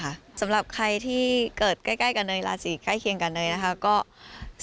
เพราะว่าอาจารย์ก็บอกว่าความสวยความงามนี้คือโอเคแล้วไปได้